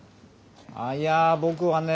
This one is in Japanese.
あいや僕はね